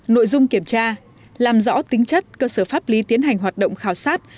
nội dung kiểm tra làm rõ tính chất cơ sở pháp lý tiến hành hoạt động khảo sát